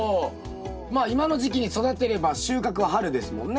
まあ今の時期に育てれば収穫は春ですもんね。